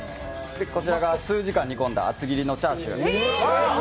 こちらが数時間煮込んだ厚切りのチャーシュー。